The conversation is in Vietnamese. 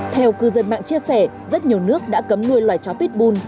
theo cư dân mạng chia sẻ rất nhiều nước đã cấm nuôi loại chó pitbull